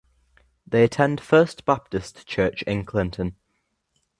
They attend First Baptist Church in Clinton.